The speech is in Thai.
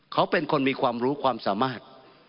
เขาเป็นคนมีความรู้ความสามารถ